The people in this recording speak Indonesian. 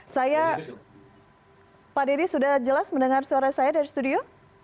saya pak dedy sudah jelas mendengar suara saya dari studio